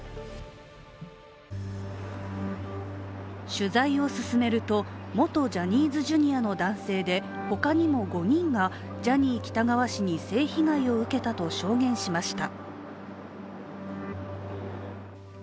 取材を進めると元ジャニーズＪｒ．の男性で他にも５人がジャニー喜多川氏に性被害を受けたと証言しました。